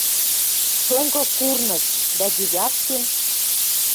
«Шонгы курныж!..» — дӓ Девяткин